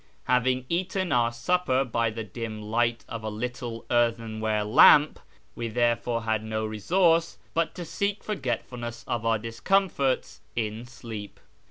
Having eaten our supper by the dim light of a little earthenware lamp, we had therefore no resource but to seek forgetfulness of our discomforts in sleep.